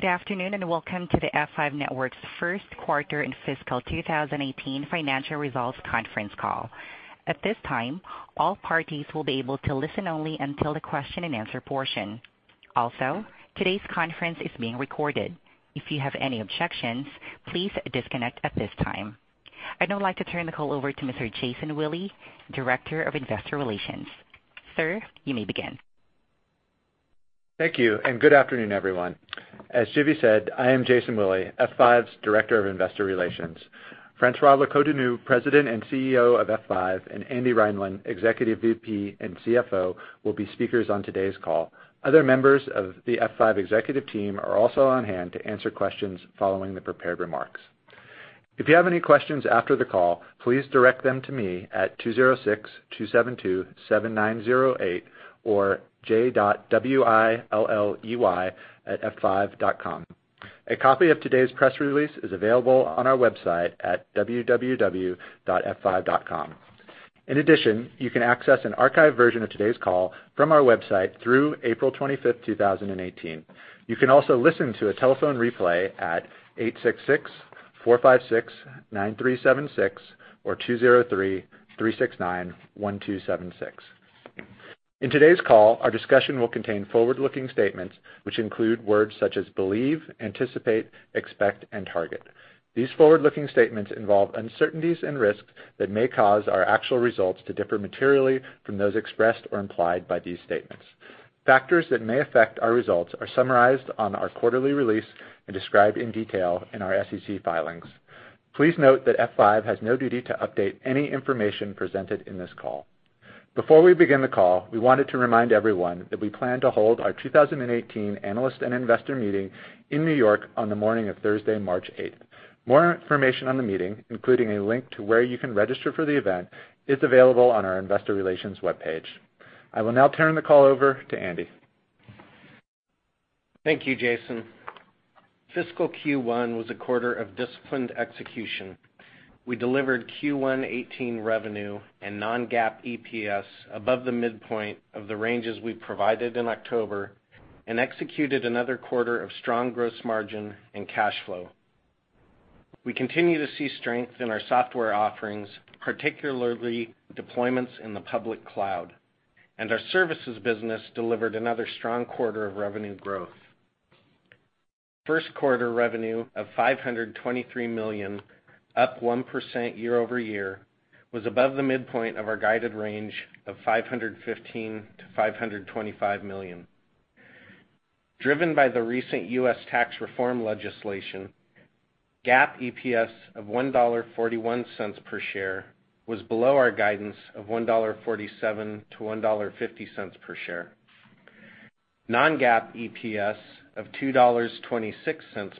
Good afternoon, welcome to the F5 Networks' first quarter and fiscal 2018 financial results conference call. At this time, all parties will be able to listen only until the question and answer portion. Today's conference is being recorded. If you have any objections, please disconnect at this time. I'd now like to turn the call over to Mr. Jason Willey, Director of Investor Relations. Sir, you may begin. Thank you, good afternoon, everyone. As Shivi said, I am Jason Willey, F5's Director of Investor Relations. François Locoh-Donou, President and CEO of F5, and Andy Reinland, Executive VP and CFO, will be speakers on today's call. Other members of the F5 executive team are also on hand to answer questions following the prepared remarks. If you have any questions after the call, please direct them to me at 206-272-7908 or j.willey@f5.com. A copy of today's press release is available on our website at www.f5.com. In addition, you can access an archived version of today's call from our website through April 25th, 2018. You can also listen to a telephone replay at 866-456-9376 or 203-369-1276. In today's call, our discussion will contain forward-looking statements, which include words such as believe, anticipate, expect, and target. These forward-looking statements involve uncertainties and risks that may cause our actual results to differ materially from those expressed or implied by these statements. Factors that may affect our results are summarized on our quarterly release and described in detail in our SEC filings. Please note that F5 has no duty to update any information presented in this call. Before we begin the call, we wanted to remind everyone that we plan to hold our 2018 Analyst and Investor Meeting in New York on the morning of Thursday, March 8th. More information on the meeting, including a link to where you can register for the event, is available on our investor relations webpage. I will now turn the call over to Andy. Thank you, Jason. Fiscal Q1 was a quarter of disciplined execution. We delivered Q1 2018 revenue and non-GAAP EPS above the midpoint of the ranges we provided in October and executed another quarter of strong gross margin and cash flow. We continue to see strength in our software offerings, particularly deployments in the public cloud, and our services business delivered another strong quarter of revenue growth. First quarter revenue of $523 million, up 1% year-over-year, was above the midpoint of our guided range of $515 million-$525 million. Driven by the recent U.S. tax reform legislation, GAAP EPS of $1.41 per share was below our guidance of $1.47-$1.50 per share. Non-GAAP EPS of $2.26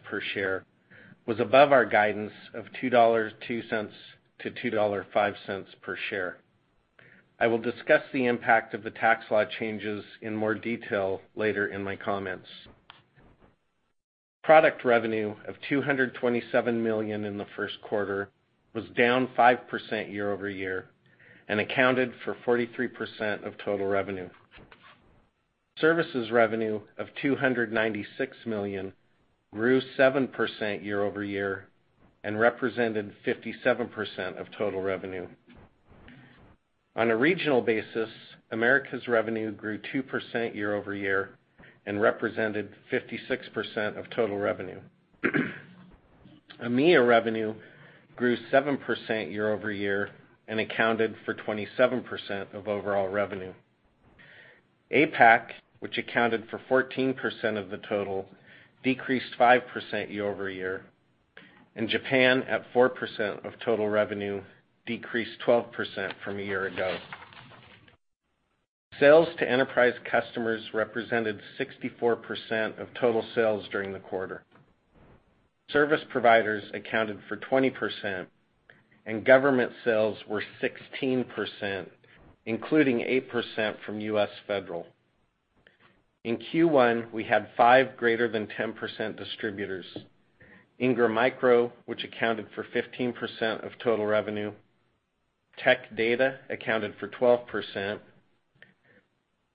per share was above our guidance of $2.02-$2.05 per share. I will discuss the impact of the tax law changes in more detail later in my comments. Product revenue of $227 million in the first quarter was down 5% year-over-year and accounted for 43% of total revenue. Services revenue of $296 million grew 7% year-over-year and represented 57% of total revenue. On a regional basis, Americas revenue grew 2% year-over-year and represented 56% of total revenue. EMEA revenue grew 7% year-over-year and accounted for 27% of overall revenue. APAC, which accounted for 14% of the total, decreased 5% year-over-year. Japan, at 4% of total revenue, decreased 12% from a year ago. Sales to enterprise customers represented 64% of total sales during the quarter. Service providers accounted for 20%, and government sales were 16%, including 8% from U.S. federal. In Q1, we had five greater than 10% distributors. Ingram Micro, which accounted for 15% of total revenue, Tech Data accounted for 12%,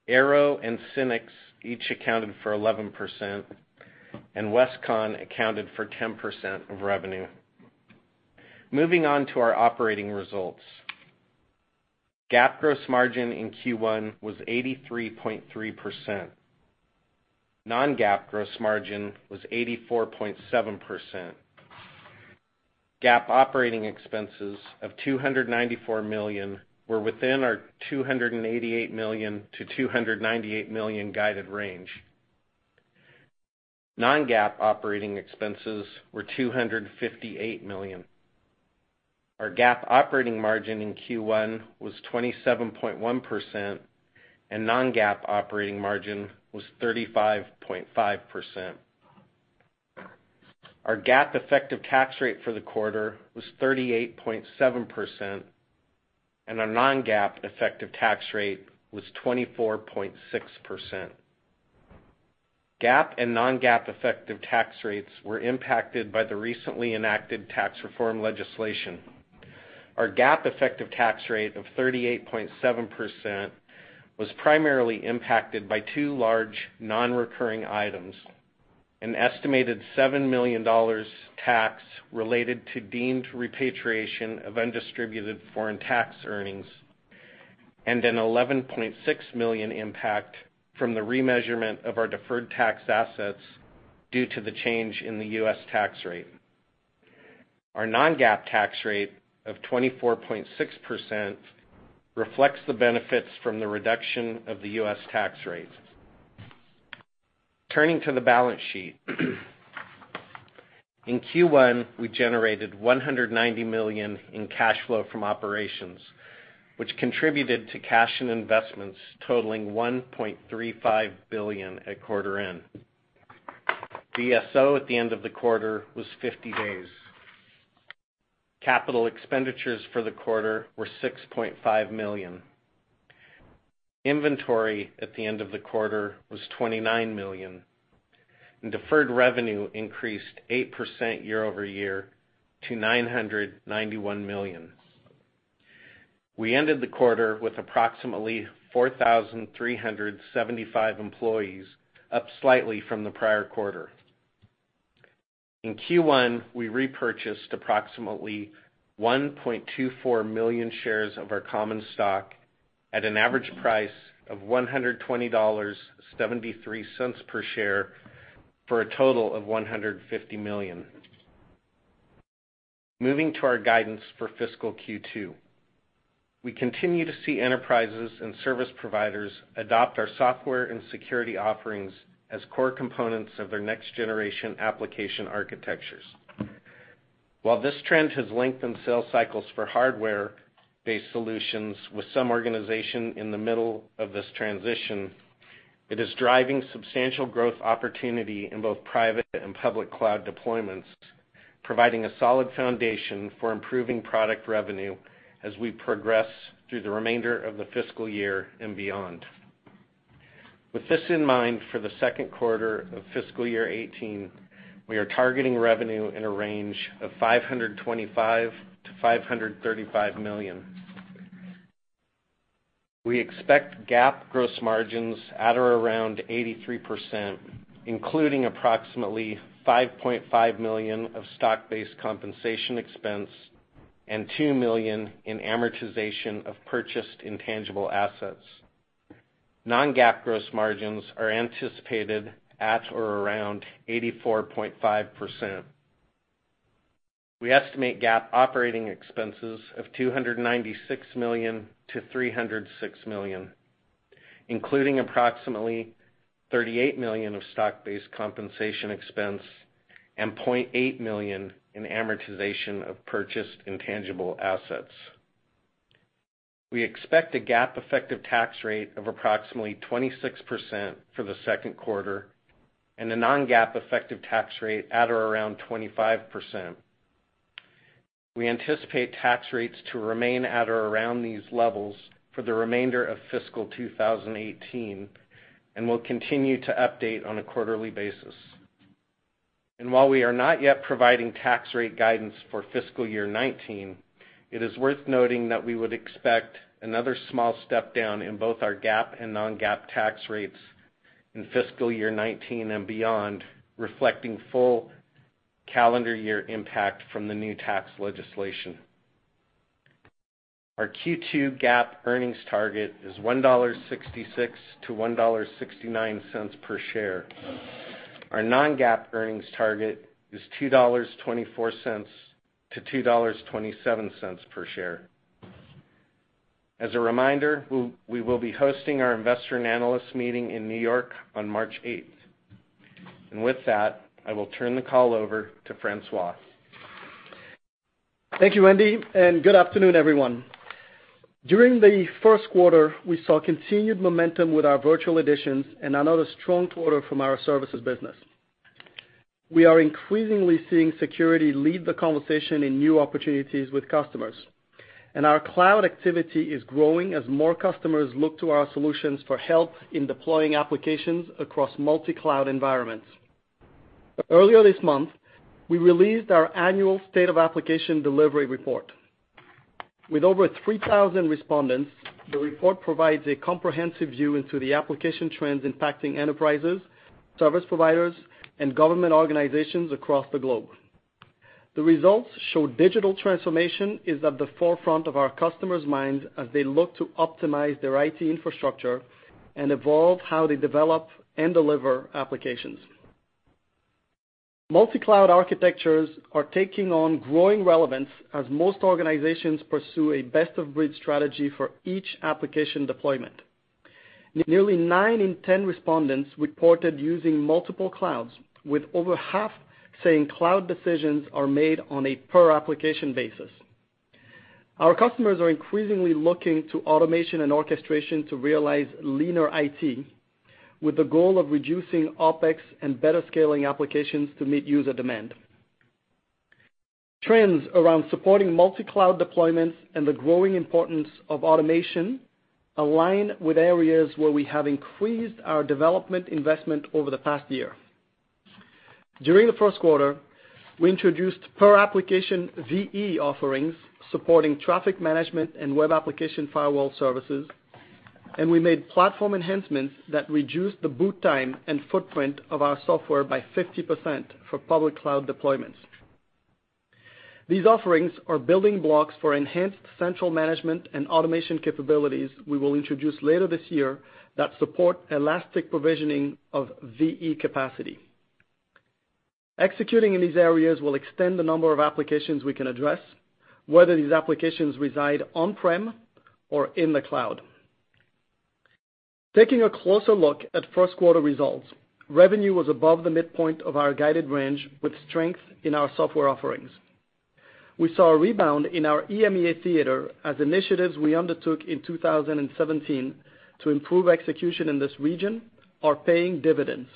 Arrow and SYNNEX each accounted for 11%, Westcon accounted for 10% of revenue. Moving on to our operating results. GAAP gross margin in Q1 was 83.3%. Non-GAAP gross margin was 84.7%. GAAP operating expenses of $294 million were within our $288 million-$298 million guided range. Non-GAAP operating expenses were $258 million. Our GAAP operating margin in Q1 was 27.1%, non-GAAP operating margin was 35.5%. Our GAAP effective tax rate for the quarter was 38.7%, our non-GAAP effective tax rate was 24.6%. GAAP and non-GAAP effective tax rates were impacted by the recently enacted tax reform legislation. Our GAAP effective tax rate of 38.7% was primarily impacted by two large non-recurring items, an estimated $7 million tax related to deemed repatriation of undistributed foreign tax earnings, and an $11.6 million impact from the remeasurement of our deferred tax assets due to the change in the U.S. tax rate. Our non-GAAP tax rate of 24.6% reflects the benefits from the reduction of the U.S. tax rate. Turning to the balance sheet. In Q1, we generated $190 million in cash flow from operations, which contributed to cash and investments totaling $1.35 billion at quarter end. DSO at the end of the quarter was 50 days. Capital expenditures for the quarter were $6.5 million. Inventory at the end of the quarter was $29 million, deferred revenue increased 8% year-over-year to $991 million. We ended the quarter with approximately 4,375 employees, up slightly from the prior quarter. In Q1, we repurchased approximately 1.24 million shares of our common stock at an average price of $120.73 per share for a total of $150 million. Moving to our guidance for fiscal Q2. We continue to see enterprises and service providers adopt our software and security offerings as core components of their next-generation application architectures. While this trend has lengthened sales cycles for hardware-based solutions with some organization in the middle of this transition, it is driving substantial growth opportunity in both private and public cloud deployments, providing a solid foundation for improving product revenue as we progress through the remainder of the fiscal year and beyond. With this in mind, for the second quarter of fiscal year 2018, we are targeting revenue in a range of $525 million-$535 million. We expect GAAP gross margins at or around 83%, including approximately $5.5 million of stock-based compensation expense and $2 million in amortization of purchased intangible assets. Non-GAAP gross margins are anticipated at or around 84.5%. We estimate GAAP operating expenses of $296 million-$306 million, including approximately $38 million of stock-based compensation expense and $0.8 million in amortization of purchased intangible assets. We expect a GAAP effective tax rate of approximately 26% for the second quarter and a non-GAAP effective tax rate at or around 25%. We anticipate tax rates to remain at or around these levels for the remainder of fiscal 2018. Will continue to update on a quarterly basis. While we are not yet providing tax rate guidance for fiscal year 2019, it is worth noting that we would expect another small step down in both our GAAP and non-GAAP tax rates in fiscal year 2019 and beyond, reflecting full calendar year impact from the new tax legislation. Our Q2 GAAP earnings target is $1.66-$1.69 per share. Our non-GAAP earnings target is $2.24-$2.27 per share. As a reminder, we will be hosting our investor and analyst meeting in New York on March 8th. With that, I will turn the call over to François. Thank you, Andy. Good afternoon, everyone. During the first quarter, we saw continued momentum with our virtual editions and another strong quarter from our services business. We are increasingly seeing security lead the conversation in new opportunities with customers. Our cloud activity is growing as more customers look to our solutions for help in deploying applications across multi-cloud environments. Earlier this month, we released our annual State of Application Delivery Report. With over 3,000 respondents, the report provides a comprehensive view into the application trends impacting enterprises, service providers, and government organizations across the globe. The results show digital transformation is at the forefront of our customers' minds as they look to optimize their IT infrastructure and evolve how they develop and deliver applications. Multi-cloud architectures are taking on growing relevance as most organizations pursue a best of breed strategy for each application deployment. Nearly nine in 10 respondents reported using multiple clouds, with over half saying cloud decisions are made on a per application basis. Our customers are increasingly looking to automation and orchestration to realize leaner IT, with the goal of reducing OpEx and better scaling applications to meet user demand. Trends around supporting multi-cloud deployments and the growing importance of automation align with areas where we have increased our development investment over the past year. During the first quarter, we introduced per application VE offerings supporting traffic management and web application firewall services. We made platform enhancements that reduced the boot time and footprint of our software by 50% for public cloud deployments. These offerings are building blocks for enhanced central management and automation capabilities we will introduce later this year that support elastic provisioning of VE capacity. Executing in these areas will extend the number of applications we can address, whether these applications reside on-prem or in the cloud. Taking a closer look at first quarter results, revenue was above the midpoint of our guided range with strength in our software offerings. We saw a rebound in our EMEA theater as initiatives we undertook in 2017 to improve execution in this region are paying dividends.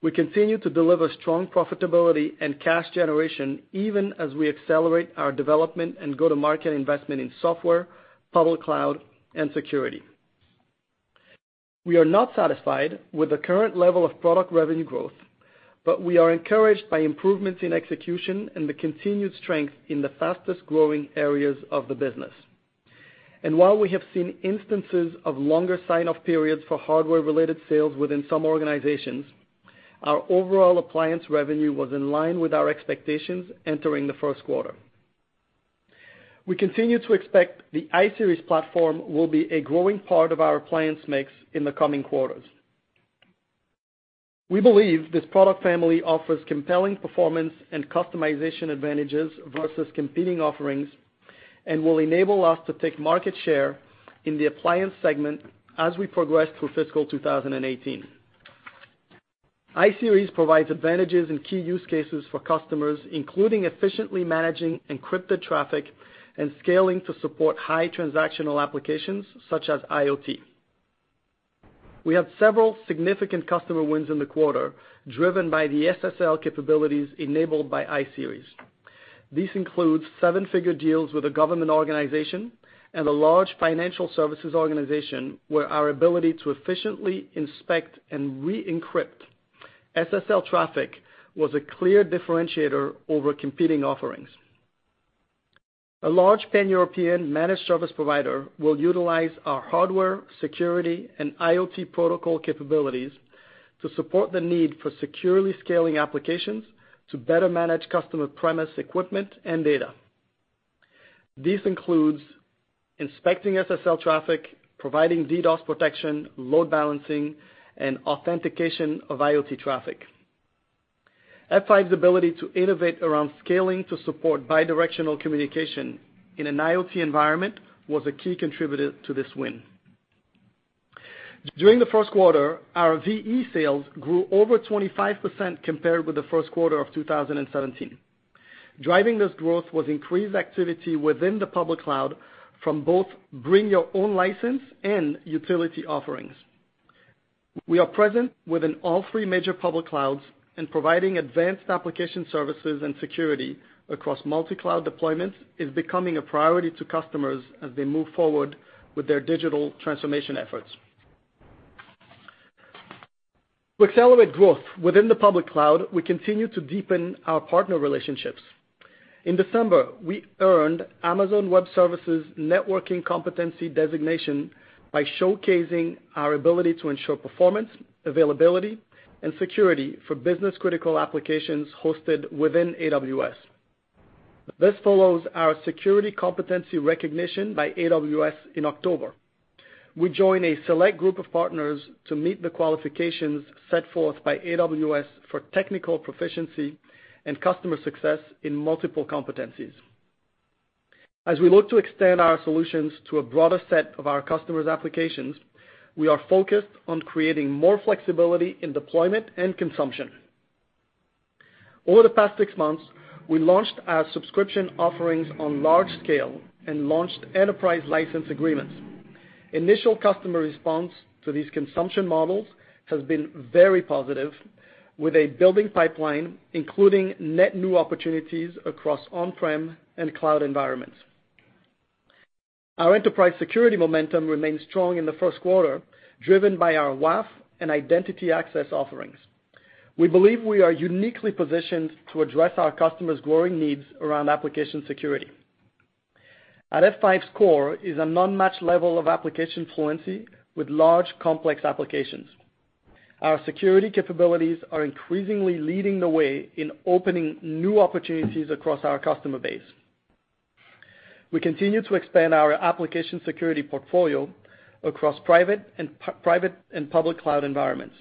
We continue to deliver strong profitability and cash generation even as we accelerate our development and go-to-market investment in software, public cloud, and security. We are not satisfied with the current level of product revenue growth, we are encouraged by improvements in execution and the continued strength in the fastest-growing areas of the business. While we have seen instances of longer sign-off periods for hardware-related sales within some organizations, our overall appliance revenue was in line with our expectations entering the first quarter. We continue to expect the iSeries platform will be a growing part of our appliance mix in the coming quarters. We believe this product family offers compelling performance and customization advantages versus competing offerings and will enable us to take market share in the appliance segment as we progress through fiscal 2018. iSeries provides advantages in key use cases for customers, including efficiently managing encrypted traffic and scaling to support high transactional applications such as IoT. We have several significant customer wins in the quarter, driven by the SSL capabilities enabled by iSeries. These include 7-figure deals with a government organization and a large financial services organization where our ability to efficiently inspect and re-encrypt SSL traffic was a clear differentiator over competing offerings. A large Pan-European managed service provider will utilize our hardware, security, and IoT protocol capabilities to support the need for securely scaling applications to better manage customer premise equipment and data. This includes inspecting SSL traffic, providing DDoS protection, load balancing, and authentication of IoT traffic. F5's ability to innovate around scaling to support bi-directional communication in an IoT environment was a key contributor to this win. During the first quarter, our VE sales grew over 25% compared with the first quarter of 2017. Driving this growth was increased activity within the public cloud from both bring-your-own-license and utility offerings. We are present within all three major public clouds and providing advanced application services and security across multi-cloud deployments is becoming a priority to customers as they move forward with their digital transformation efforts. To accelerate growth within the public cloud, we continue to deepen our partner relationships. In December, we earned Amazon Web Services networking competency designation by showcasing our ability to ensure performance, availability, and security for business-critical applications hosted within AWS. This follows our security competency recognition by AWS in October. We join a select group of partners to meet the qualifications set forth by AWS for technical proficiency and customer success in multiple competencies. As we look to extend our solutions to a broader set of our customers' applications, we are focused on creating more flexibility in deployment and consumption. Over the past six months, we launched our subscription offerings on large scale and launched enterprise license agreements. Initial customer response to these consumption models has been very positive, with a building pipeline, including net new opportunities across on-prem and cloud environments. Our enterprise security momentum remains strong in the first quarter, driven by our WAF and identity access offerings. We believe we are uniquely positioned to address our customers' growing needs around application security. At F5's core is an unmatched level of application fluency with large, complex applications. Our security capabilities are increasingly leading the way in opening new opportunities across our customer base. We continue to expand our application security portfolio across private and public cloud environments.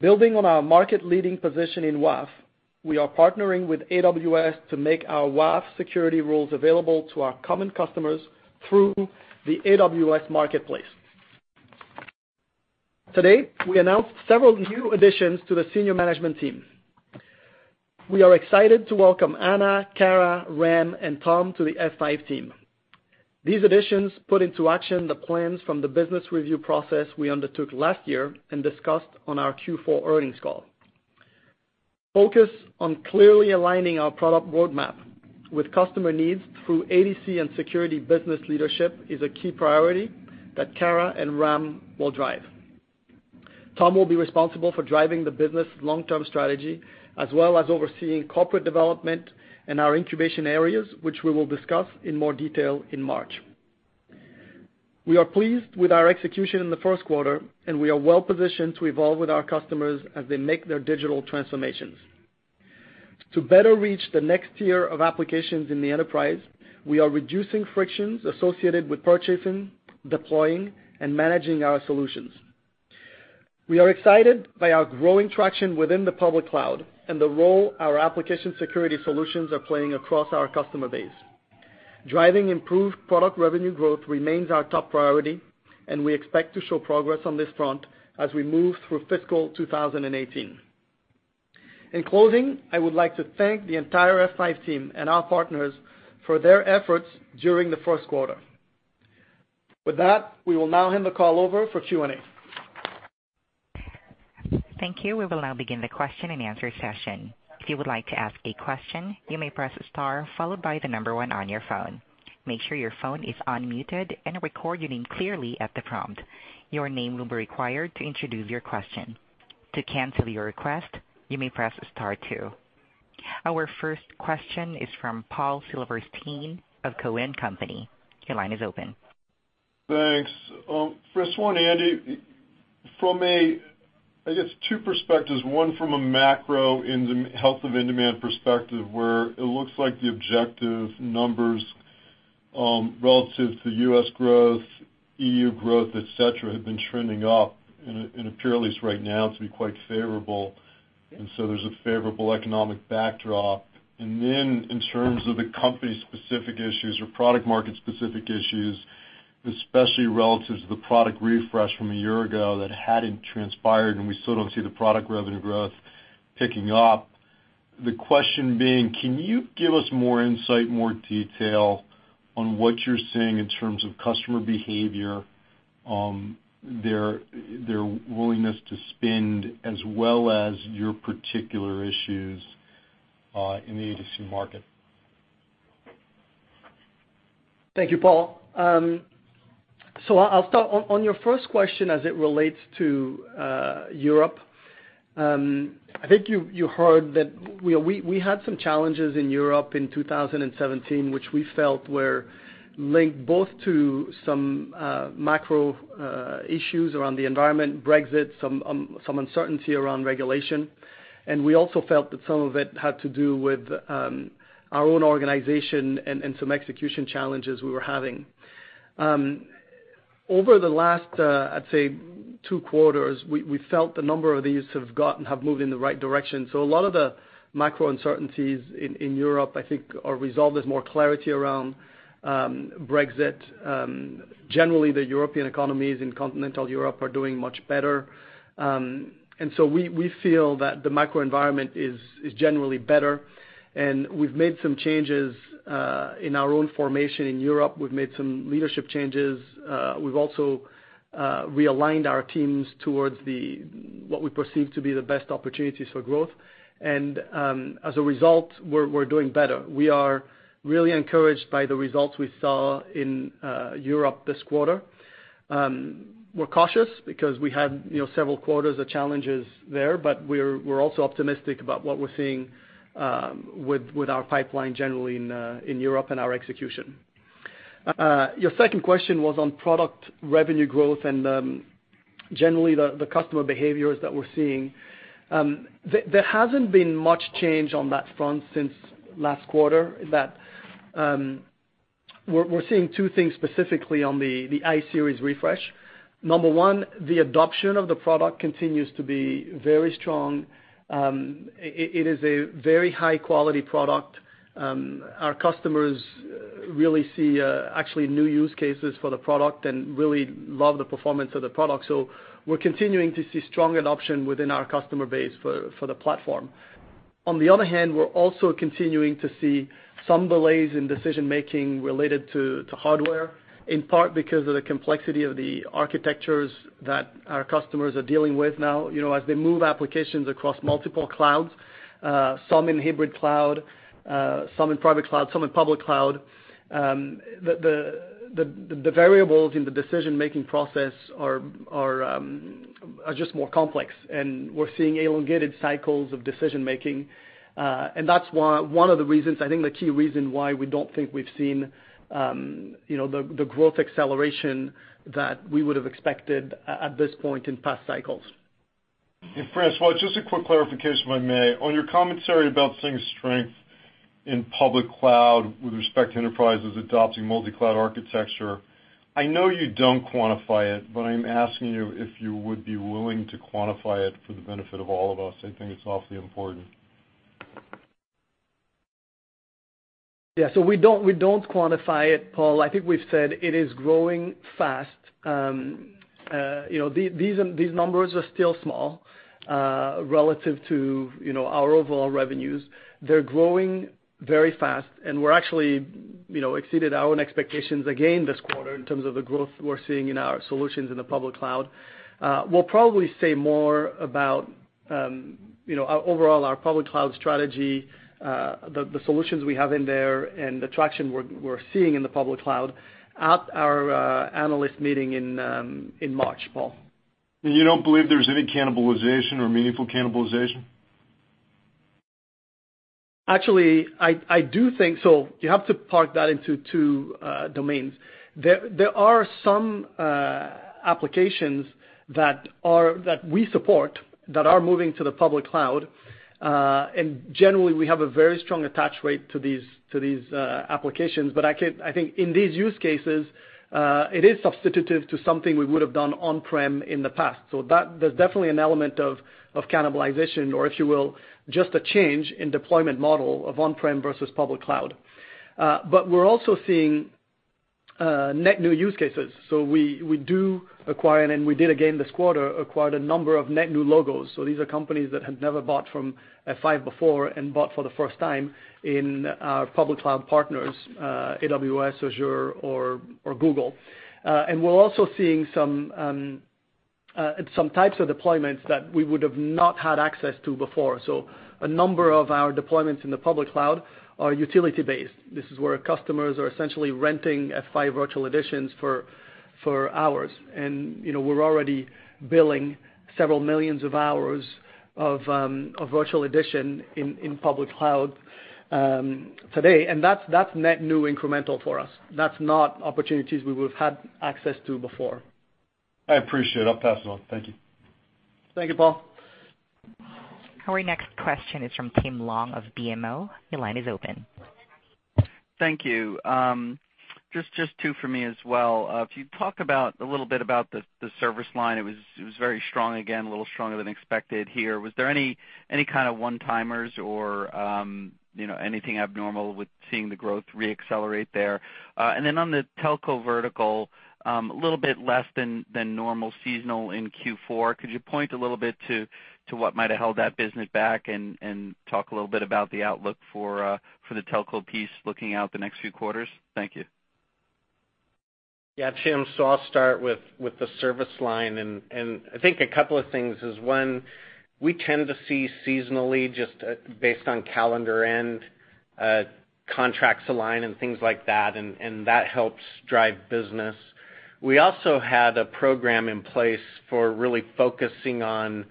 Building on our market-leading position in WAF, we are partnering with AWS to make our WAF security rules available to our common customers through the AWS Marketplace. Today, we announced several new additions to the senior management team. We are excited to welcome Ana, Kara, Ram, and Tom to the F5 team. These additions put into action the plans from the business review process we undertook last year and discussed on our Q4 earnings call. Focus on clearly aligning our product roadmap with customer needs through ADC and security business leadership is a key priority that Kara and Ram will drive. Tom will be responsible for driving the business' long-term strategy, as well as overseeing corporate development in our incubation areas, which we will discuss in more detail in March. We are pleased with our execution in the first quarter, and we are well-positioned to evolve with our customers as they make their digital transformations. To better reach the next tier of applications in the enterprise, we are reducing frictions associated with purchasing, deploying, and managing our solutions. We are excited by our growing traction within the public cloud and the role our application security solutions are playing across our customer base. Driving improved product revenue growth remains our top priority, and we expect to show progress on this front as we move through fiscal 2018. In closing, I would like to thank the entire F5 team and our partners for their efforts during the first quarter. With that, we will now hand the call over for Q&A. Thank you. We will now begin the question-and-answer session. If you would like to ask a question, you may press star followed by the number 1 on your phone. Make sure your phone is unmuted and record your name clearly at the prompt. Your name will be required to introduce your question. To cancel your request, you may press star 2. Our first question is from Paul Silverstein of Cowen and Company. Your line is open. Thanks. First one, Andy, from, I guess, two perspectives. One from a macro health of in-demand perspective, where it looks like the objective numbers relative to U.S. growth, EU growth, et cetera, have been trending up in a purely right now to be quite favorable. There's a favorable economic backdrop. In terms of the company-specific issues or product market-specific issues, especially relative to the product refresh from a year ago that hadn't transpired, we still don't see the product revenue growth picking up. The question being, can you give us more insight, more detail on what you're seeing in terms of customer behavior, their willingness to spend, as well as your particular issues in the ADC market? Thank you, Paul. I'll start. On your first question as it relates to Europe, I think you heard that we had some challenges in Europe in 2017, which we felt were linked both to some macro issues around the environment, Brexit, some uncertainty around regulation. We also felt that some of it had to do with our own organization and some execution challenges we were having. Over the last, I'd say two quarters, we felt a number of these have moved in the right direction. A lot of the macro uncertainties in Europe, I think, are resolved. There's more clarity around Brexit. Generally, the European economies in continental Europe are doing much better. We feel that the macro environment is generally better, and we've made some changes in our own formation in Europe. We've made some leadership changes. We've also realigned our teams towards what we perceive to be the best opportunities for growth. As a result, we're doing better. We are really encouraged by the results we saw in Europe this quarter. We're cautious because we had several quarters of challenges there, but we're also optimistic about what we're seeing with our pipeline generally in Europe and our execution. Your second question was on product revenue growth and generally the customer behaviors that we're seeing. There hasn't been much change on that front since last quarter. We're seeing two things specifically on the iSeries refresh. Number 1, the adoption of the product continues to be very strong. It is a very high-quality product. Our customers really see actually new use cases for the product and really love the performance of the product. We're continuing to see strong adoption within our customer base for the platform. On the other hand, we're also continuing to see some delays in decision-making related to hardware, in part because of the complexity of the architectures that our customers are dealing with now. As they move applications across multiple clouds, some in hybrid cloud, some in private cloud, some in public cloud, the variables in the decision-making process are just more complex. We're seeing elongated cycles of decision-making. That's one of the reasons, I think the key reason why we don't think we've seen the growth acceleration that we would have expected at this point in past cycles. François, just a quick clarification, if I may. On your commentary about seeing strength in public cloud with respect to enterprises adopting multi-cloud architecture, I know you don't quantify it, but I'm asking you if you would be willing to quantify it for the benefit of all of us. I think it's awfully important. Yeah. We don't quantify it, Paul. I think we've said it is growing fast. These numbers are still small relative to our overall revenues. They're growing very fast, and we actually exceeded our own expectations again this quarter in terms of the growth we're seeing in our solutions in the public cloud. We'll probably say more about Overall, our public cloud strategy, the solutions we have in there, and the traction we're seeing in the public cloud at our analyst meeting in March, Paul. You don't believe there's any cannibalization or meaningful cannibalization? Actually, I do think so. You have to park that into two domains. There are some applications that we support that are moving to the public cloud. Generally, we have a very strong attach rate to these applications. I think in these use cases, it is substitutive to something we would have done on-prem in the past. There's definitely an element of cannibalization or, if you will, just a change in deployment model of on-prem versus public cloud. We're also seeing net new use cases. We do acquire, and we did again this quarter, acquired a number of net new logos. These are companies that had never bought from F5 before and bought for the first time in our public cloud partners, AWS, Azure, or Google. We're also seeing some types of deployments that we would have not had access to before. A number of our deployments in the public cloud are utility-based. This is where customers are essentially renting F5 virtual editions for hours. We're already billing several millions of hours of virtual edition in public cloud today, and that's net new incremental for us. That's not opportunities we would have had access to before. I appreciate it. I'll pass it on. Thank you. Thank you, Paul. Our next question is from Tim Long of BMO. Your line is open. Thank you. Just two for me as well. If you talk a little bit about the service line, it was very strong, again, a little stronger than expected here. Was there any kind of one-timers or anything abnormal with seeing the growth re-accelerate there? On the telco vertical, a little bit less than normal seasonal in Q4. Could you point a little bit to what might have held that business back and talk a little bit about the outlook for the telco piece looking out the next few quarters? Thank you. Yeah, Tim. I'll start with the service line. I think a couple of things is, one, we tend to see seasonally, just based on calendar end, contracts align and things like that, and that helps drive business. We also had a program in place for really focusing on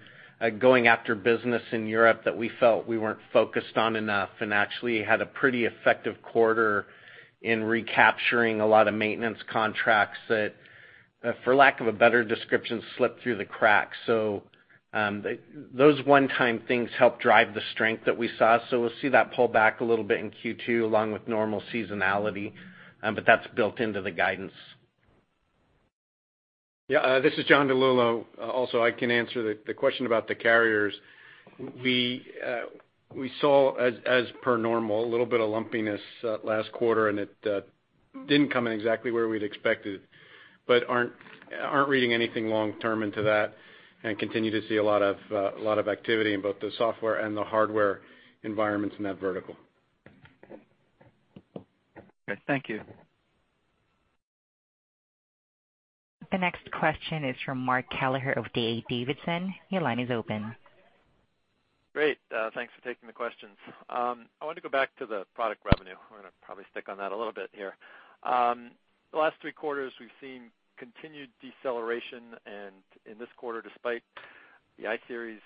going after business in Europe that we felt we weren't focused on enough, and actually had a pretty effective quarter in recapturing a lot of maintenance contracts that, for lack of a better description, slipped through the cracks. Those one-time things help drive the strength that we saw. We'll see that pull back a little bit in Q2, along with normal seasonality, but that's built into the guidance. Yeah. This is John DiLullo. I can answer the question about the carriers. We saw, as per normal, a little bit of lumpiness last quarter, and it didn't come in exactly where we'd expected, but aren't reading anything long-term into that and continue to see a lot of activity in both the software and the hardware environments in that vertical. Okay, thank you. The next question is from Mark Kelleher of D.A. Davidson. Your line is open. Great. Thanks for taking the questions. I wanted to go back to the product revenue. We're going to probably stick on that a little bit here. The last three quarters, we've seen continued deceleration, and in this quarter, despite the iSeries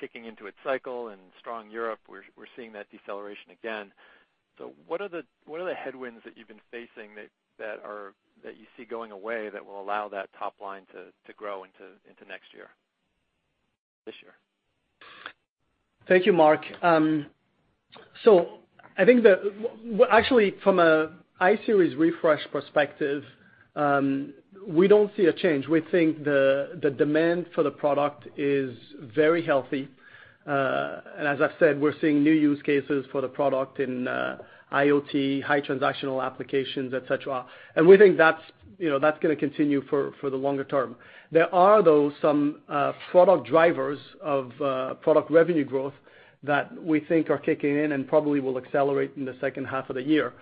kicking into its cycle and strong Europe, we're seeing that deceleration again. What are the headwinds that you've been facing that you see going away that will allow that top line to grow into This year? Thank you, Mark. I think that, actually, from a iSeries refresh perspective, we don't see a change. We think the demand for the product is very healthy. As I've said, we're seeing new use cases for the product in IoT, high transactional applications, et cetera. We think that's going to continue for the longer term. There are, though, some product drivers of product revenue growth that we think are kicking in and probably will accelerate in the second half of the year.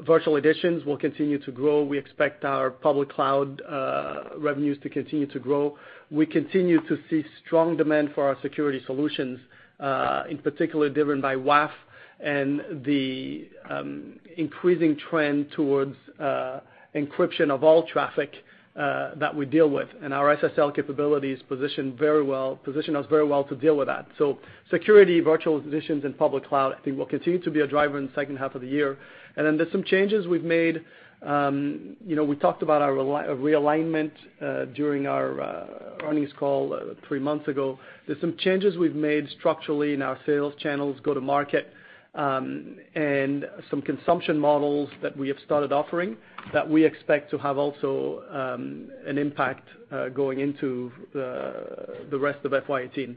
Virtual editions will continue to grow. We expect our public cloud revenues to continue to grow. We continue to see strong demand for our security solutions, in particular driven by WAF and the increasing trend towards encryption of all traffic that we deal with, and our SSL capabilities position us very well to deal with that. Security, virtual editions, and public cloud, I think, will continue to be a driver in the second half of the year. Then there's some changes we've made. We talked about our realignment during our earnings call three months ago. There's some changes we've made structurally in our sales channels, go to market, and some consumption models that we have started offering that we expect to have also an impact going into the rest of FY '18.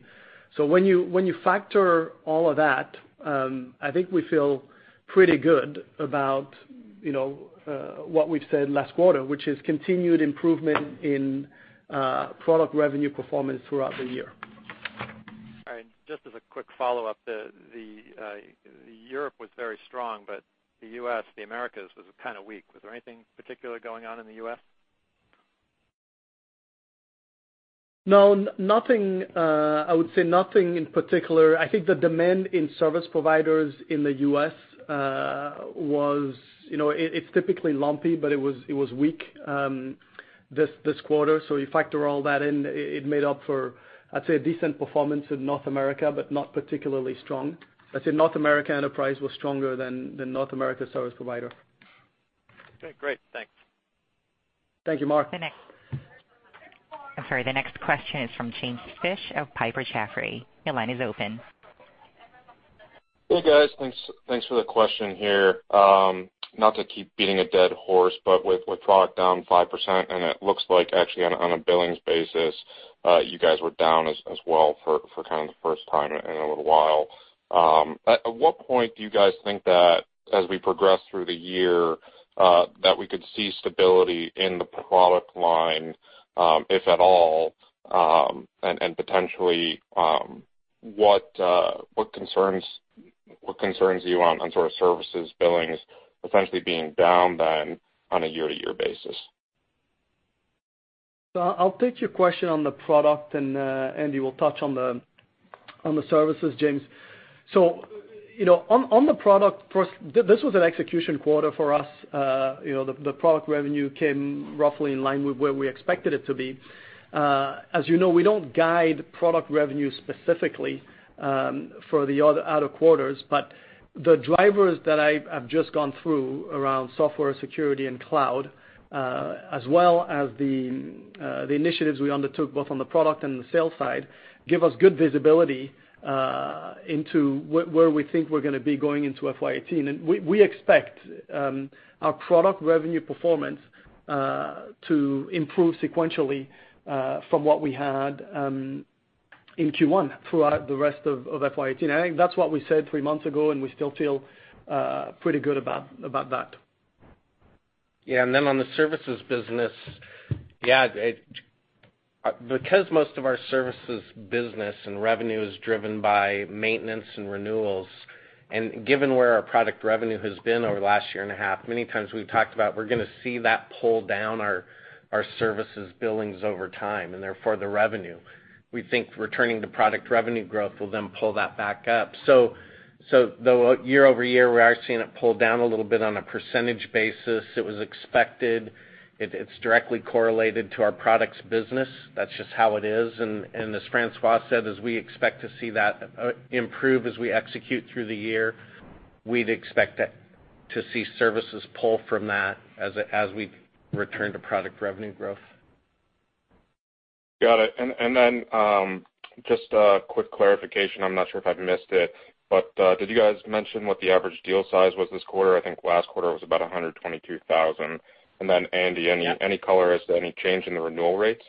When you factor all of that, I think we feel pretty good about what we've said last quarter, which is continued improvement in product revenue performance throughout the year. All right. Just as a quick follow-up, Europe was very strong, but the U.S., the Americas, was kind of weak. Was there anything particular going on in the U.S.? No, I would say nothing in particular. I think the demand in service providers in the U.S., it's typically lumpy, but it was weak this quarter. You factor all that in, it made up for, I'd say, a decent performance in North America, but not particularly strong. I'd say North America Enterprise was stronger than North America Service Provider. Okay, great. Thanks. Thank you, Mark. The next- Next question. I'm sorry. The next question is from James Fish of Piper Jaffray. Your line is open. Hey, guys. Thanks for the question here. Not to keep beating a dead horse, but with product down 5%, and it looks like actually on a billings basis, you guys were down as well for the first time in a little while. At what point do you guys think that as we progress through the year, that we could see stability in the product line, if at all, and potentially, what concerns you on services billings essentially being down then on a year-to-year basis? I'll take your question on the product, and Andy will touch on the services, James. On the product, first, this was an execution quarter for us. The product revenue came roughly in line with where we expected it to be. As you know, we don't guide product revenue specifically for the other quarters, but the drivers that I've just gone through around software security and cloud, as well as the initiatives we undertook both on the product and the sales side, give us good visibility into where we think we're going to be going into FY 2018. We expect our product revenue performance to improve sequentially, from what we had in Q1 throughout the rest of FY 2018. I think that's what we said 3 months ago, and we still feel pretty good about that. On the services business, because most of our services business and revenue is driven by maintenance and renewals, and given where our product revenue has been over the last year and a half, many times we've talked about we're going to see that pull down our services billings over time and therefore the revenue. We think returning to product revenue growth will then pull that back up. Though year-over-year, we are seeing it pull down a little bit on a percentage basis, it was expected. It's directly correlated to our products business. That's just how it is. As François said, as we expect to see that improve as we execute through the year, we'd expect to see services pull from that as we return to product revenue growth. Got it. Just a quick clarification, I'm not sure if I've missed it, did you guys mention what the average deal size was this quarter? I think last quarter was about $122,000. Andy, any color as to any change in the renewal rates?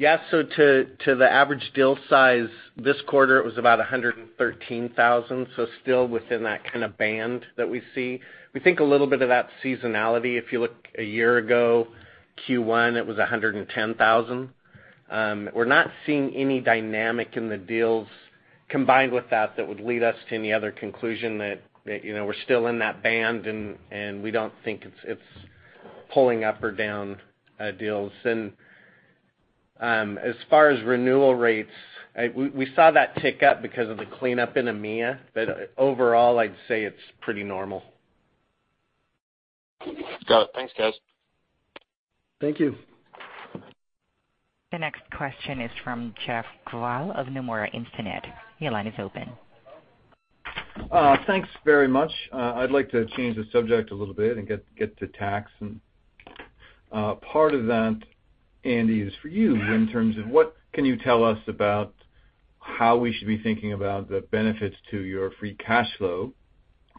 To the average deal size this quarter, it was about $113,000. Still within that kind of band that we see. We think a little bit of that seasonality, if you look a year ago, Q1, it was $110,000. We're not seeing any dynamic in the deals combined with that that would lead us to any other conclusion. We're still in that band, and we don't think it's pulling up or down deals. As far as renewal rates, we saw that tick up because of the cleanup in EMEA. Overall, I'd say it's pretty normal. Got it. Thanks, guys. Thank you. The next question is from Jeff Kvaal of Nomura Instinet. Your line is open. Hello. Thanks very much. I'd like to change the subject a little bit and get to tax and part of that, Andy, is for you in terms of what can you tell us about how we should be thinking about the benefits to your free cash flow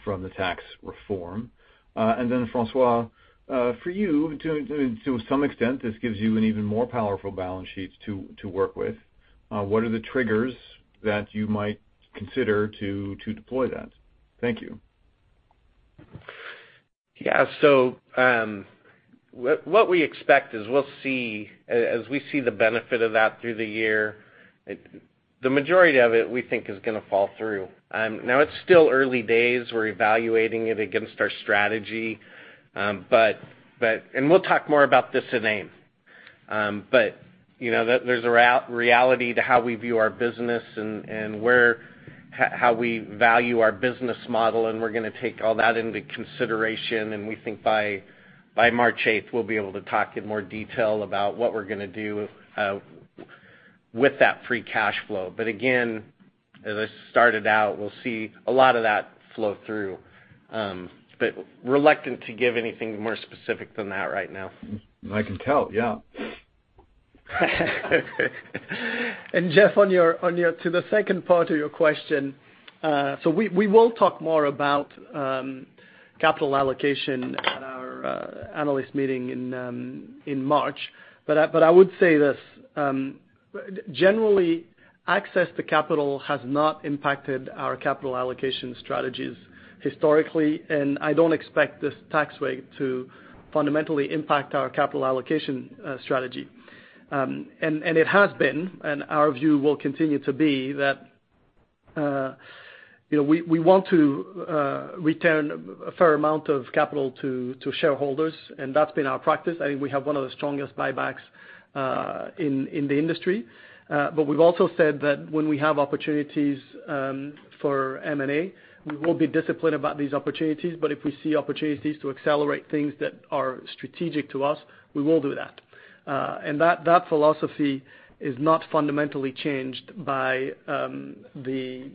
from the tax reform? Then François, for you, to some extent, this gives you an even more powerful balance sheet to work with. What are the triggers that you might consider to deploy that? Thank you. What we expect is as we see the benefit of that through the year, the majority of it we think is going to fall through. It's still early days. We're evaluating it against our strategy. We'll talk more about this at AIM. There's a reality to how we view our business and how we value our business model, and we're going to take all that into consideration, and we think by March 8th, we'll be able to talk in more detail about what we're going to do with that free cash flow. Again, as I started out, we'll see a lot of that flow through. Reluctant to give anything more specific than that right now. I can tell. Yeah. Jeff, to the second part of your question, we will talk more about capital allocation at our analyst meeting in March. I would say this, generally, access to capital has not impacted our capital allocation strategies historically, and I don't expect this tax rate to fundamentally impact our capital allocation strategy. It has been, and our view will continue to be that We want to return a fair amount of capital to shareholders, and that's been our practice. I think we have one of the strongest buybacks in the industry. We've also said that when we have opportunities for M&A, we will be disciplined about these opportunities, but if we see opportunities to accelerate things that are strategic to us, we will do that. That philosophy is not fundamentally changed by the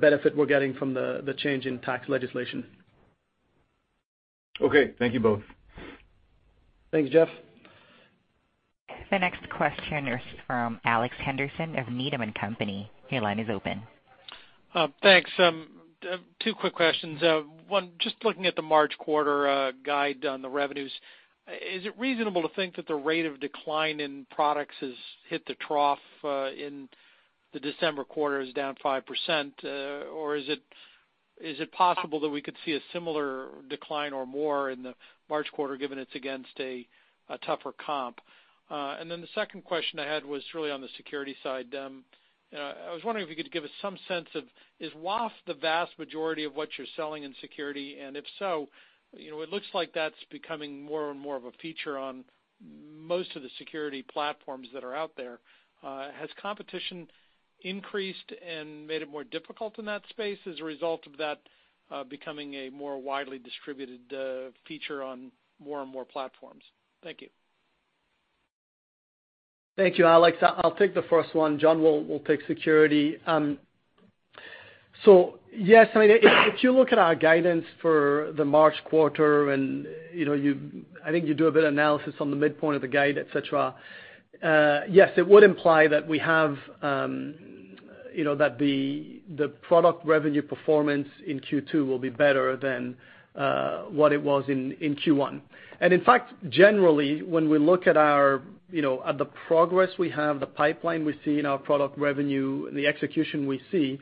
benefit we're getting from the change in tax legislation. Okay. Thank you both. Thanks, Jeff. The next question is from Alex Henderson of Needham & Company. Your line is open. Thanks. Two quick questions. One, just looking at the March quarter guide on the revenues, is it reasonable to think that the rate of decline in products has hit the trough in the December quarter is down 5%? Or is it possible that we could see a similar decline or more in the March quarter, given it's against a tougher comp? The second question I had was really on the security side. I was wondering if you could give us some sense of, is WAF the vast majority of what you're selling in security? If so, it looks like that's becoming more and more of a feature on most of the security platforms that are out there. Has competition increased and made it more difficult in that space as a result of that becoming a more widely distributed feature on more and more platforms? Thank you. Thank you, Alex. I'll take the first one. John will take security. Yes, I mean, if you look at our guidance for the March quarter, and I think you do a bit of analysis on the midpoint of the guide, et cetera. Yes, it would imply that the product revenue performance in Q2 will be better than what it was in Q1. In fact, generally, when we look at the progress we have, the pipeline we see in our product revenue and the execution we see,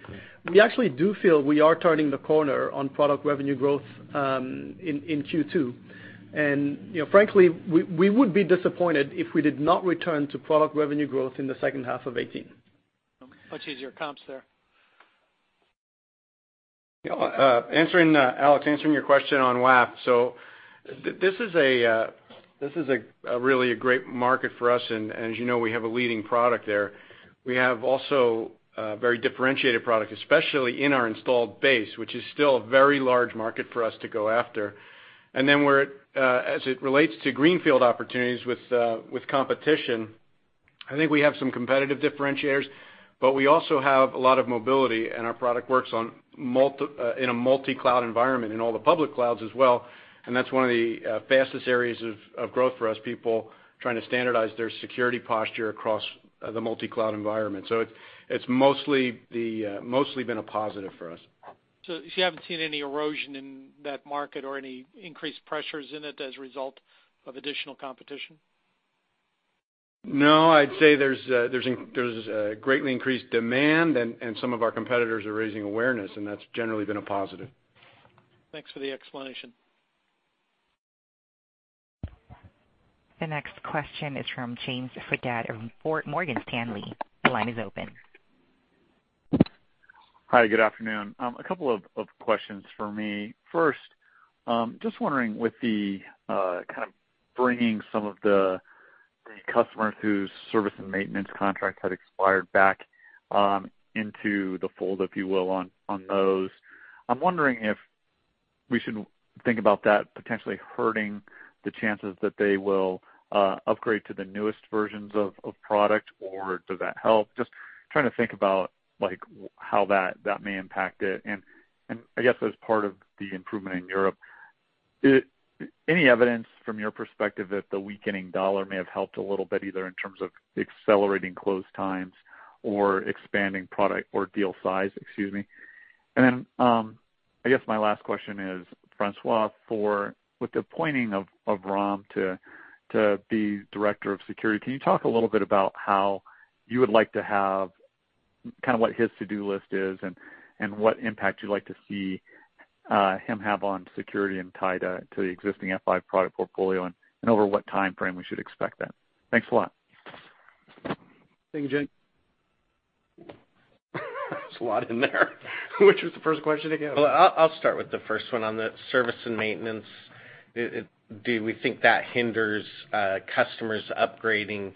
we actually do feel we are turning the corner on product revenue growth in Q2. Frankly, we would be disappointed if we did not return to product revenue growth in the second half of 2018. Okay. Much easier comps there. Alex, answering your question on WAF. This is really a great market for us, and as you know, we have a leading product there. We have also a very differentiated product, especially in our installed base, which is still a very large market for us to go after. As it relates to greenfield opportunities with competition, I think we have some competitive differentiators, but we also have a lot of mobility, and our product works in a multi-cloud environment, in all the public clouds as well, and that's one of the fastest areas of growth for us, people trying to standardize their security posture across the multi-cloud environment. It's mostly been a positive for us. You haven't seen any erosion in that market or any increased pressures in it as a result of additional competition? No, I'd say there's a greatly increased demand and some of our competitors are raising awareness, and that's generally been a positive. Thanks for the explanation. The next question is from James Faucette of Morgan Stanley. Your line is open. Hi, good afternoon. A couple of questions for me. First, just wondering with the kind of bringing some of the customers whose service and maintenance contract had expired back into the fold, if you will, on those. I'm wondering if we should think about that potentially hurting the chances that they will upgrade to the newest versions of product, or does that help? Just trying to think about how that may impact it. I guess as part of the improvement in Europe, any evidence from your perspective that the weakening dollar may have helped a little bit, either in terms of accelerating close times or expanding product or deal size, excuse me? I guess my last question is, François, with the appointing of Ram to be director of security, can you talk a little bit about how you would like to have kind of what his to-do list is and what impact you'd like to see him have on security and tied to the existing F5 product portfolio and over what timeframe we should expect that? Thanks a lot. Thank you, James. There's a lot in there. Which was the first question again? Well, I'll start with the first one on the service and maintenance. Do we think that hinders customers upgrading?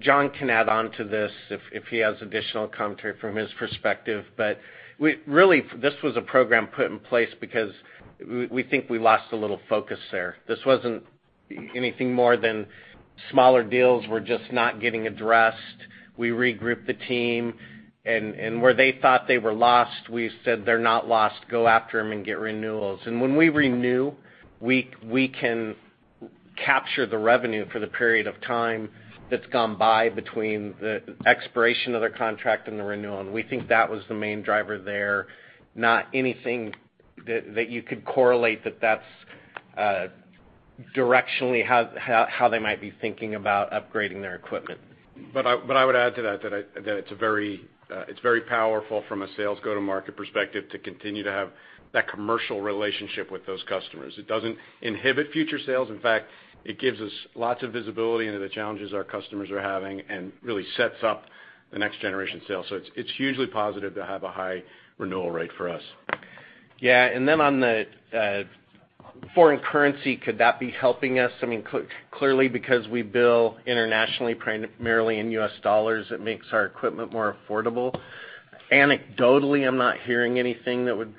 John can add on to this if he has additional commentary from his perspective. Really, this was a program put in place because we think we lost a little focus there. This wasn't anything more than smaller deals were just not getting addressed. We regrouped the team, and where they thought they were lost, we said, "They're not lost. Go after them and get renewals." When we renew, we can capture the revenue for the period of time that's gone by between the expiration of their contract and the renewal. We think that was the main driver there, not anything that you could correlate that that's directionally how they might be thinking about upgrading their equipment. I would add to that it's very powerful from a sales go-to-market perspective to continue to have that commercial relationship with those customers. It doesn't inhibit future sales. In fact, it gives us lots of visibility into the challenges our customers are having and really sets up the next generation sales. It's hugely positive to have a high renewal rate for us. On the foreign currency, could that be helping us? Clearly, because we bill internationally, primarily in U.S. dollars, it makes our equipment more affordable. Anecdotally, I'm not hearing anything that would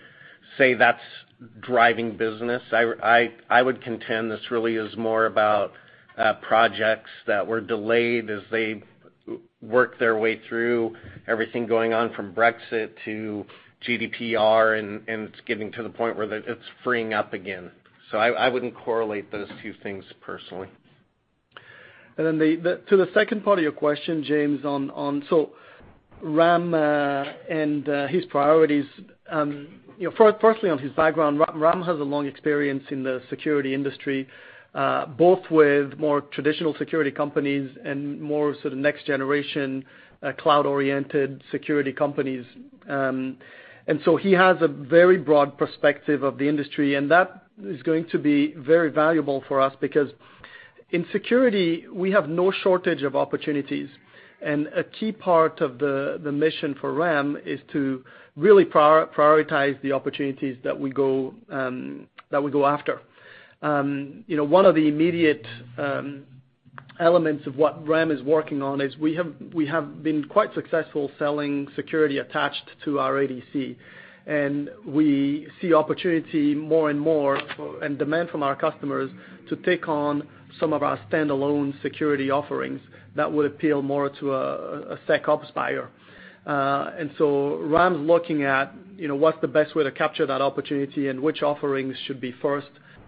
say that's driving business. I would contend this really is more about projects that were delayed as they work their way through everything going on, from Brexit to GDPR, and it's getting to the point where it's freeing up again. I wouldn't correlate those two things personally. To the second part of your question, James. Ram and his priorities. Firstly, on his background, Ram has a long experience in the security industry, both with more traditional security companies and more sort of next generation cloud-oriented security companies. He has a very broad perspective of the industry, and that is going to be very valuable for us because in security, we have no shortage of opportunities, and a key part of the mission for Ram is to really prioritize the opportunities that we go after. One of the immediate elements of what Ram is working on is we have been quite successful selling security attached to our ADC, and we see opportunity more and more and demand from our customers to take on some of our standalone security offerings that would appeal more to a SecOps buyer. Ram's looking at what's the best way to capture that opportunity and which offerings should be first,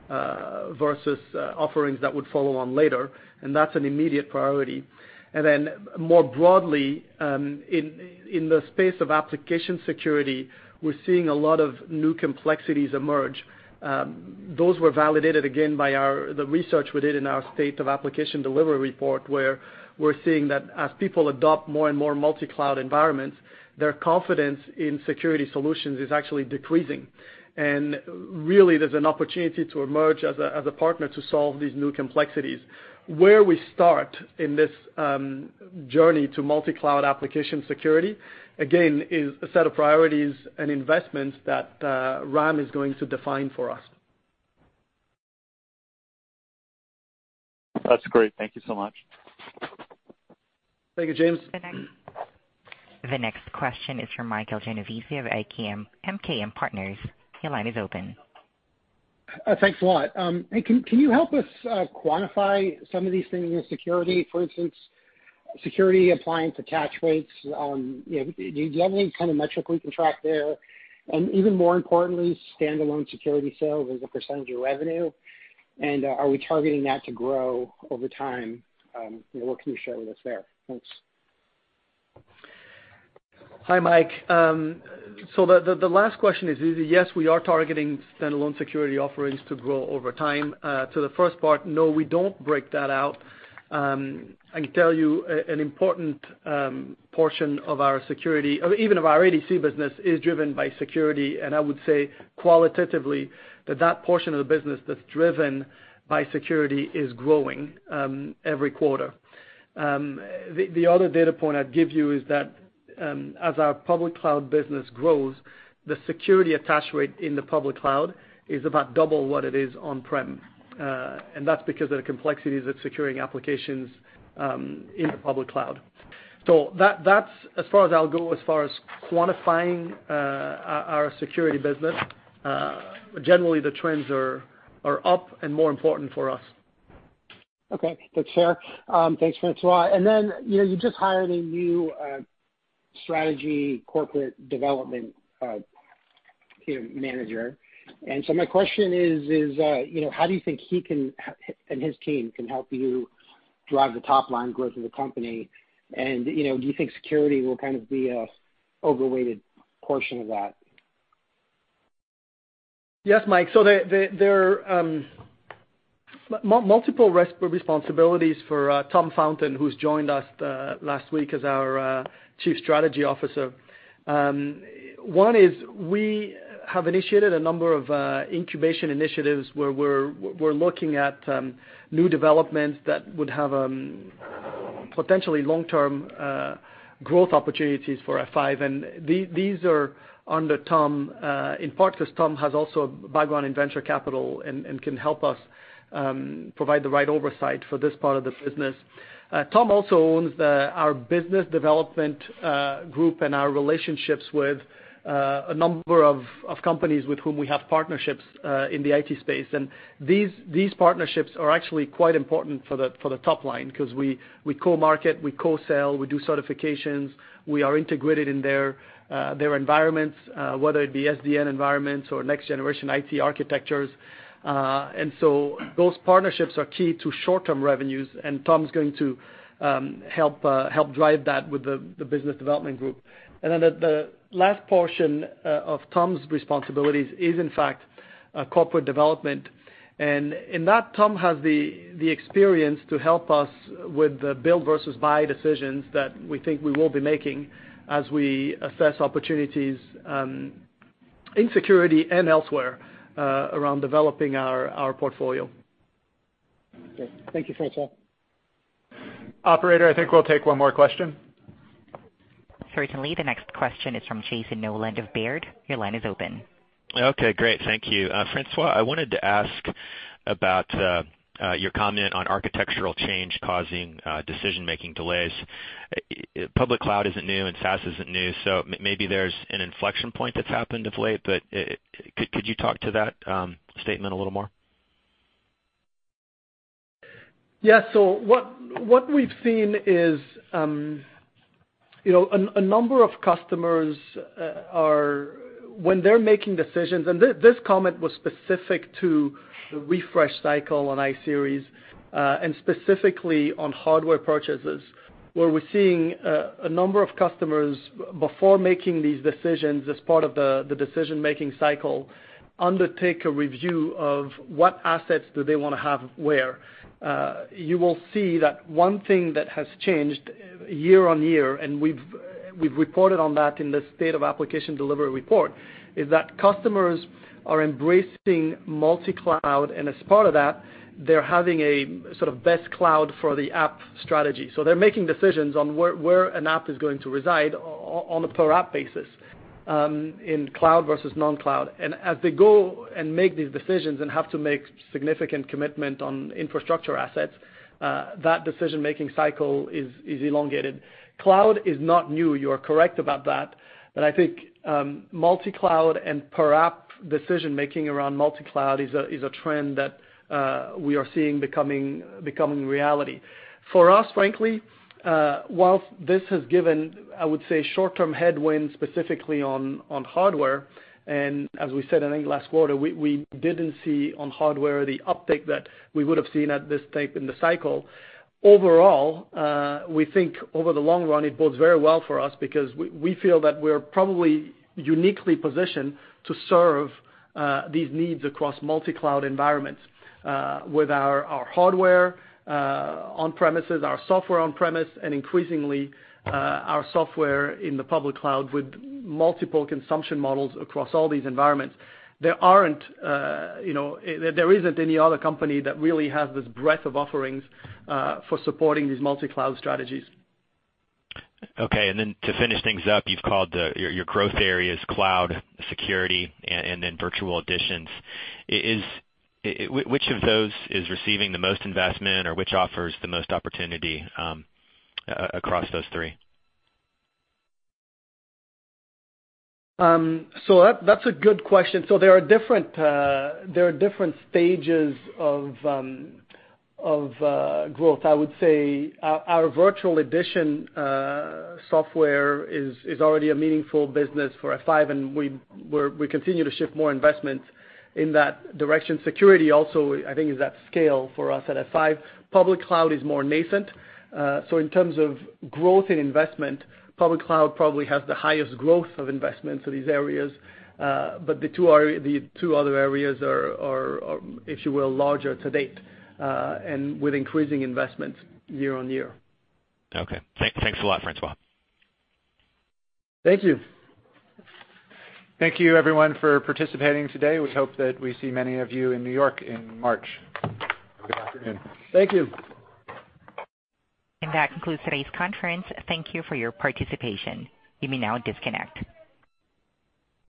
versus offerings that would follow on later. That's an immediate priority. More broadly, in the space of application security, we're seeing a lot of new complexities emerge. Those were validated again by the research we did in our State of Application Delivery Report, where we're seeing that as people adopt more and more multi-cloud environments, their confidence in security solutions is actually decreasing. Really, there's an opportunity to emerge as a partner to solve these new complexities. Where we start in this journey to multi-cloud application security, again, is a set of priorities and investments that Ram is going to define for us. That's great. Thank you so much. Thank you, James. The next question is from Michael Genovese of MKM Partners. Your line is open. Thanks a lot. Can you help us quantify some of these things in security, for instance, security appliance attach rates? Do you have any kind of metric we can track there? Even more importantly, standalone security sales as a % of revenue? Are we targeting that to grow over time? What can you share with us there? Thanks. Hi, Mike. The last question is, yes, we are targeting standalone security offerings to grow over time. To the first part, no, we don't break that out. I can tell you an important portion of our security, even of our ADC business, is driven by security. I would say qualitatively, that that portion of the business that's driven by security is growing every quarter. The other data point I'd give you is that as our public cloud business grows, the security attach rate in the public cloud is about double what it is on-prem. That's because of the complexities of securing applications in the public cloud. That's as far as I'll go as far as quantifying our security business. Generally, the trends are up and more important for us. Okay. Good share. Thanks, François. You just hired a new strategy corporate development manager. My question is: how do you think he and his team can help you drive the top-line growth of the company? Do you think security will kind of be an overweighted portion of that? Yes, Mike. There are multiple responsibilities for Tom Fountain, who's joined us last week as our Chief Strategy Officer. One is we have initiated a number of incubation initiatives where we're looking at new developments that would have potentially long-term growth opportunities for F5. These are under Tom, in part because Tom has also a background in venture capital and can help us provide the right oversight for this part of the business. Tom also owns our business development group and our relationships with a number of companies with whom we have partnerships in the IT space. These partnerships are actually quite important for the top line because we co-market, we co-sell, we do certifications, we are integrated in their environments, whether it be SDN environments or next generation IT architectures. Those partnerships are key to short-term revenues, Tom's going to help drive that with the business development group. The last portion of Tom's responsibilities is, in fact, corporate development. In that, Tom has the experience to help us with the build versus buy decisions that we think we will be making as we assess opportunities in security and elsewhere around developing our portfolio. Okay. Thank you, François. Operator, I think we'll take one more question. Certainly. The next question is from Jayson Noland of Baird. Your line is open. Okay, great. Thank you. François, I wanted to ask about your comment on architectural change causing decision-making delays. Public cloud isn't new and SaaS isn't new, maybe there's an inflection point that's happened of late, but could you talk to that statement a little more? what we've seen is a number of customers are making decisions, and this comment was specific to the refresh cycle on iSeries, and specifically on hardware purchases, where we're seeing a number of customers, before making these decisions as part of the decision-making cycle, undertake a review of what assets do they want to have where. You will see that one thing that has changed year-on-year, and we've reported on that in the State of Application Delivery Report, is that customers are embracing multi-cloud, and as part of that, they're having a sort of best cloud for the app strategy. They're making decisions on where an app is going to reside on a per app basis in cloud versus non-cloud. As they go and make these decisions and have to make significant commitment on infrastructure assets, that decision-making cycle is elongated. Cloud is not new. You're correct about that. I think multi-cloud and per app decision-making around multi-cloud is a trend that we are seeing becoming reality. For us, frankly, whilst this has given, I would say, short-term headwinds specifically on hardware, and as we said, I think, last quarter, we didn't see on hardware the uptick that we would have seen at this type in the cycle. Overall, we think over the long run, it bodes very well for us because we feel that we're probably uniquely positioned to serve these needs across multi-cloud environments with our hardware on-premises, our software on-premise, and increasingly, our software in the public cloud with multiple consumption models across all these environments. There isn't any other company that really has this breadth of offerings for supporting these multi-cloud strategies. Okay, to finish things up, you've called your growth areas cloud, security, and virtual editions. Which of those is receiving the most investment, or which offers the most opportunity across those three? That's a good question. There are different stages of growth. I would say our virtual edition software is already a meaningful business for F5, and we continue to shift more investment in that direction. Security also, I think, is at scale for us at F5. Public cloud is more nascent. In terms of growth in investment, public cloud probably has the highest growth of investment for these areas. The two other areas are, if you will, larger to date, and with increasing investments year-on-year. Okay. Thanks a lot, François. Thank you. Thank you everyone for participating today. We hope that we see many of you in New York in March. Have a good afternoon. Thank you. That concludes today's conference. Thank you for your participation. You may now disconnect.